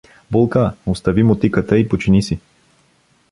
Булка, остави мотиката и почини си!